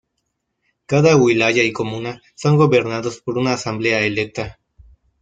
Cada wilaya y comuna son gobernados por una asamblea electa.